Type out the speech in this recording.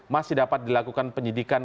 masih dapat dilakukan penyidikan